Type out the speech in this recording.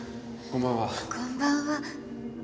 こんばんは。